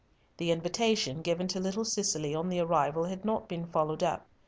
The invitation given to little Cicely on the arrival had not been followed up.